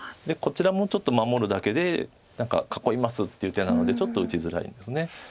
こちらもちょっと守るだけで何か「囲います」っていう手なのでちょっと打ちづらいんです。